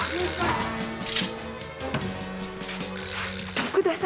徳田様